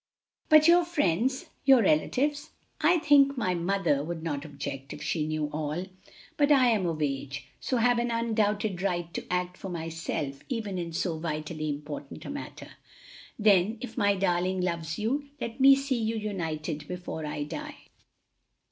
"But your friends, your relatives?" "I think my mother would not object, if she knew all. But I am of age, so have an undoubted right to act for myself even in so vitally important a matter." "Then if my darling loves you, let me see you united before I die."